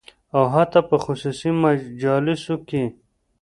او حتی په خصوصي مجالسو کې